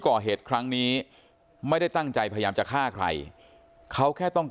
ก่อเหตุครั้งนี้ไม่ได้ตั้งใจพยายามจะฆ่าใครเขาแค่ต้อง